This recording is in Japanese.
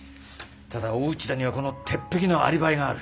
ただ大内田にはこの鉄壁のアリバイがある。